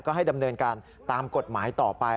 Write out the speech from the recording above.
ก็ให้ดำเนินการตามกฎหมายต่อไป